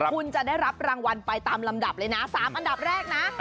คุณจะได้รับรางวัลไปตามลำดับเลยนะ๓อันดับแรกนะ